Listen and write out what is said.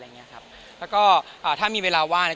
แล้วก็อ่าถ้ามีเวลาว่าง